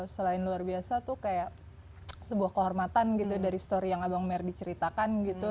selain luar biasa tuh kayak sebuah kehormatan gitu dari story yang abang merdi ceritakan gitu